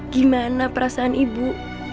gimana perasaan ibu